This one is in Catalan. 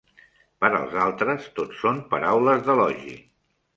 Per als altres, tot són paraules d'elogi.